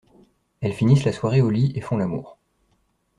Elles finissent la soirée au lit et font l'amour.